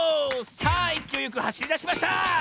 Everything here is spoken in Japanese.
さあいきおいよくはしりだしました！